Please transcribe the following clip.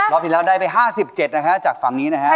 รอบที่แล้วได้ไปห้าสิบเจ็ดนะคะจากฝั่งนี้นะคะใช่แล้ว